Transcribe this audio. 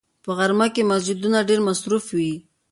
په غرمه کې مسجدونه ډېر مصروف وي